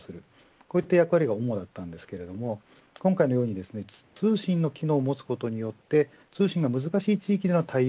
こういった役割が主でしたが今回のように通信の機能を持つことによって通信が難しい地域の対応